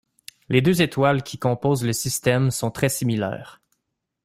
Les deux étoiles qui composent le système sont très similaires.